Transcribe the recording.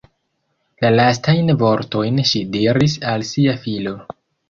La lastajn vortojn ŝi diris al sia filo.